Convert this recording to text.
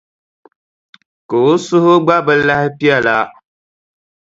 Ka o suhu gba bi lahi piɛla.